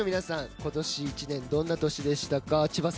今年１年どんな年でしたか？